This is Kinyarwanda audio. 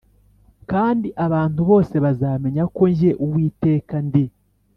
kandi abantu bose bazamenya ko jye Uwiteka ndi